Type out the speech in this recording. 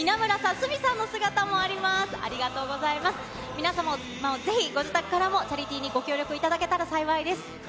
皆様もぜひ、ご自宅からもチャリティーにご協力いただけたら幸いです。